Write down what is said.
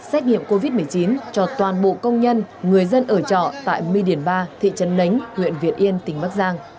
xét nghiệm covid một mươi chín cho toàn bộ công nhân người dân ở trọ tại my điển ba thị trấn nánh huyện việt yên tỉnh bắc giang